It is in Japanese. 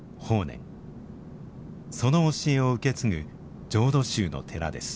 その教えを受け継ぐ浄土宗の寺です。